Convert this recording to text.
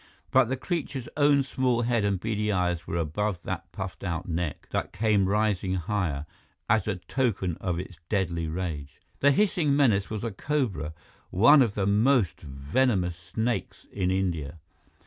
But the creature's own small head and beady eyes were above that puffed out neck that came rising higher, as token of its deadly rage. The hissing menace was a cobra, one of the most venomous snakes in India.